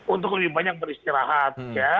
untuk lebih banyak beristirahat